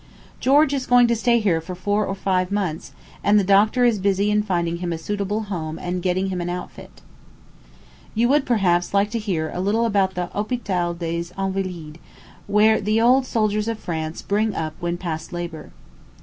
George is going to stay here for four or five months, and the doctor is busy in finding him a suitable home and getting him an outfit. You would perhaps like to hear a little about the Hospital des Invalides, where the old soldiers of France bring up when past labor.